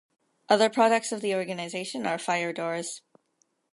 Other products of the organisation are fire doors.